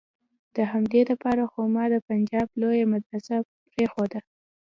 د همدې د پاره خو ما د پنجاب لويه مدرسه پرېخوده.